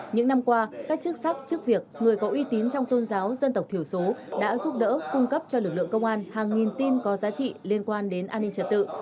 những năm qua các chức sắc chức việc người có uy tín trong tôn giáo dân tộc thiểu số đã giúp đỡ cung cấp cho lực lượng công an hàng nghìn tin có giá trị liên quan đến an ninh trật tự